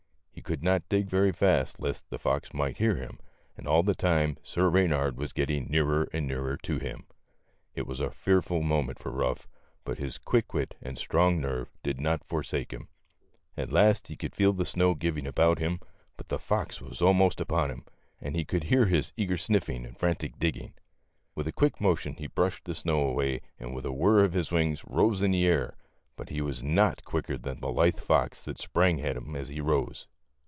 He could not dig very fast lest the fox might hear him, and all the time Sir Eeynard was getting nearer and nearer to him. It was a fearful moment for Euff, but his quick wit and strong nerve did not forsake him. At last he could feel the snow giving above him, but the fox was almost upon him ; he could hear his eager sniffing and frantic digging. With a quick motion he brushed the snow away and with a whir of his wings rose in air, but he was not quicker than the lithe fox that sprang at him as he rose.